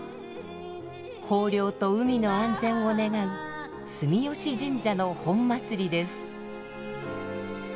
豊漁と海の安全を願う住吉神社の本祭りです。